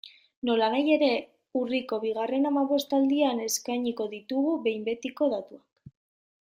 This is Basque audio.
Nolanahi ere, urriko bigarren hamabostaldian eskainiko ditugu behin betiko datuak.